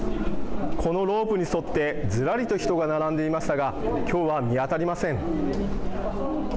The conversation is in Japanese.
このロープに沿ってずらりと人が並んでいましたがきょうは見当たりません。